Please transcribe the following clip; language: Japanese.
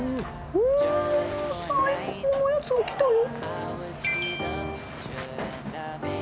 うわ最高のやつがきたよ